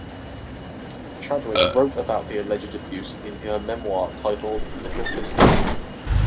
Chadwick wrote about the alleged abuse in her memoir titled "Little Sister".